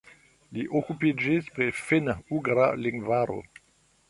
Li okupiĝis pri finn-ugra lingvaro.